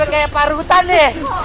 itu kayak parutan ya